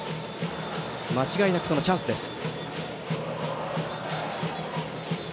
間違いなく、そのチャンスです。